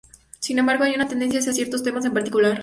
Sin embargo hay una tendencia hacia ciertos temas en particular.